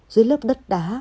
dưới lớp đất đá